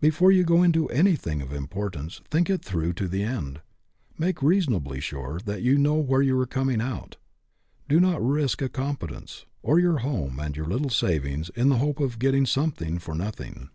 Be fore you go into anything of importance think it through to the end; make reasonably sure that you know where you are coming out. Do not risk a competence, or your home and your little savings, in the hope of getting 56 FREEDOM AT ANY COST something for nothing.